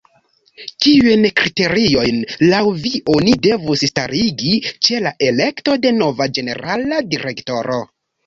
Kiujn kriteriojn laŭ vi oni devus starigi ĉe la elekto de nova ĝenerala direktoro?